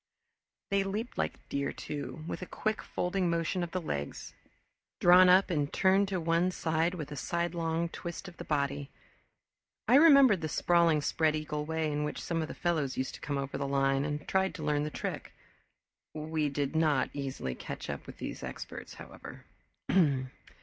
They leaped like deer, too, with a quick folding motion of the legs, drawn up and turned to one side with a sidelong twist of the body. I remembered the sprawling spread eagle way in which some of the fellows used to come over the line and tried to learn the trick. We did not easily catch up with these experts, however.